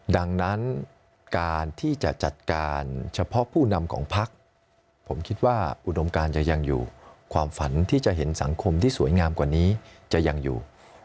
ดังนั้นการที่จะจัดการเฉพาะผู้นำของพักผมคิดว่าอุดมการจะยังอยู่ความฝันที่จะเห็นสังคมที่สวยงามกว่านี้จะยังอยู่